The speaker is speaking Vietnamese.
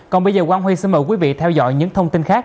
còn bây giờ quang huy xin mời quý vị theo dõi những thông tin khác